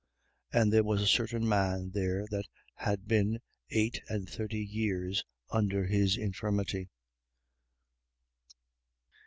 5:5. And there was a certain man there that had been eight and thirty years under his infirmity.